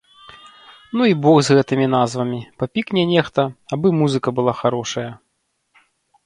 Ну і бог з гэтымі назвамі, папікне нехта, абы музыка была харошая.